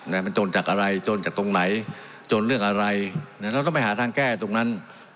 มันจนจากอะไรจนจากตรงไหนจนเรื่องอะไรนะเราต้องไปหาทางแก้ตรงนั้น